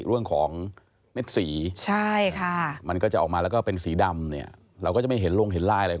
เรื่องของเม็ดสีใช่ค่ะมันก็จะออกมาแล้วก็เป็นสีดำเนี่ยเราก็จะไม่เห็นลงเห็นลายอะไร